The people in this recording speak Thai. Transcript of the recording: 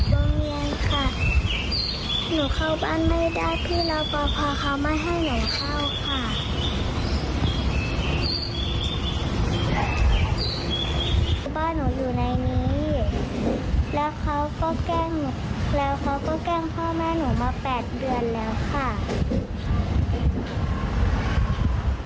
อยู่ในนี้แล้วเขาก็แกล้งหนูแล้วเขาก็แกล้งพ่อแม่หนูมาแปดเดือนแล้วค่ะ